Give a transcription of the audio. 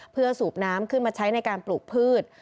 เพื่อสูบน้ำขึ้นมาใช้ในการปลูกพืช